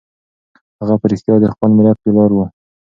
هغه په رښتیا د خپل ملت پلار و.